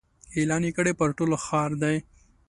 اعلان یې کړی پر ټوله ښار دی